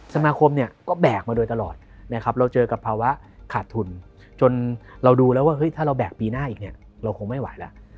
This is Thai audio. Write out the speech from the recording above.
สมาคมก็แบกมาโดยตลอดเราเจอกับภาวะขาดทุนจนเราดูแล้วว่าถ้าเราแบกปีหน้าอีกเราคงไม่ไหวแล้ว